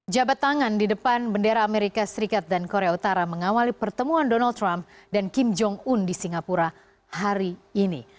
jabat tangan di depan bendera amerika serikat dan korea utara mengawali pertemuan donald trump dan kim jong un di singapura hari ini